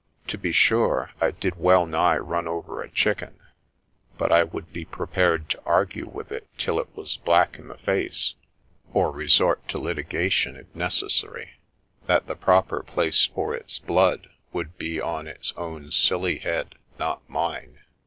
To be sure, I did well nigh run over a chicken, but I would be prepared to argue with it till it was black in the face (or resort to litigation, if necessary) that the proper place for its blood would be on its own silly head, not mine.